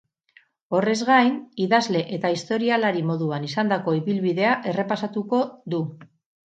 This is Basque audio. Horrez gain, idazle eta historialari moduan izandako ibilbidea errepasatuko du.